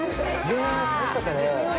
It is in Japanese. ねっ楽しかったね。